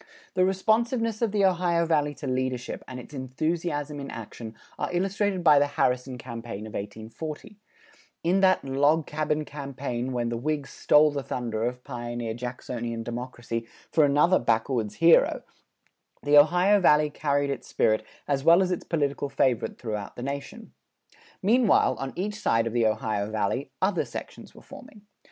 The responsiveness of the Ohio Valley to leadership and its enthusiasm in action are illustrated by the Harrison campaign of 1840; in that "log cabin campaign" when the Whigs "stole the thunder" of pioneer Jacksonian democracy for another backwoods hero, the Ohio Valley carried its spirit as well as its political favorite throughout the nation. Meanwhile, on each side of the Ohio Valley, other sections were forming.